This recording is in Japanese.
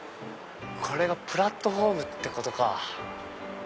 これがプラットホームってことか。